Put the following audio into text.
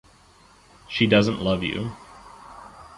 She doesn’t love you.